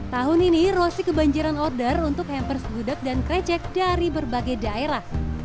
tahun ini rosi kebanjiran order untuk hampers gudeg dan krecek dari berbagai daerah